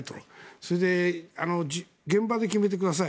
それで、現場で決めてください